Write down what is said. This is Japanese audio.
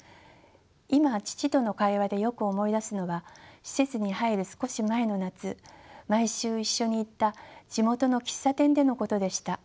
今父との会話でよく思い出すのは施設に入る少し前の夏毎週一緒に行った地元の喫茶店でのことでした。